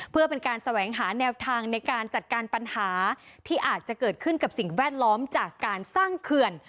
เพื่อเป็นการแสวงหาแนวทางในการจัดการปัญหาที่อาจจะเกิดขึ้นกับสิ่งแวดล้อมจากการสร้างเขื่อน